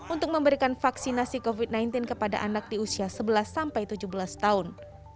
untuk memberikan vaksinasi covid sembilan belas kepada anak di usia sebelas sampai tujuh belas tahun